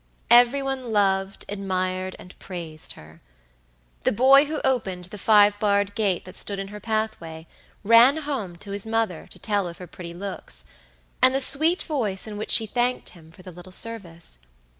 Every one loved, admired, and praised her. The boy who opened the five barred gate that stood in her pathway, ran home to his mother to tell of her pretty looks, and the sweet voice in which she thanked him for the little service.